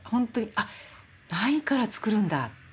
あっないからつくるんだって。